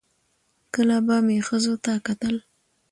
کله به مې ښځو ته کتل